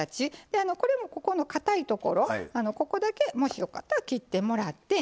でこれもここのかたいところここだけもしよかったら切ってもらって。